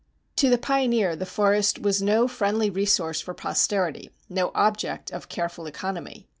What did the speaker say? To the pioneer the forest was no friendly resource for posterity, no object of careful economy.